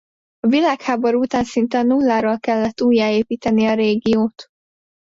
A világháború után szinte a nulláról kellett újjáépíteni a régiót.